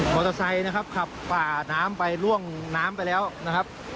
เตอร์ไซค์นะครับขับฝ่าน้ำไปล่วงน้ำไปแล้วนะครับ